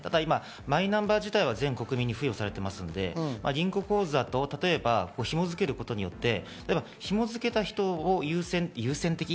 マイナンバー自体は国民に付与されているので、銀行口座と紐づけることによって、例えば紐づけた人を優先的。